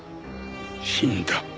死んだ？